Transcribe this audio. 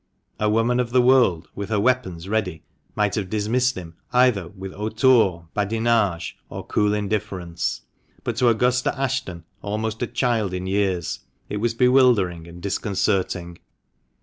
A woman of the world, with her weapons ready, might have dismissed him either with hauteur, badinage, or cool indifference; but to Augusta Ashton, almost a child in years, it was bewildering and disconcerting.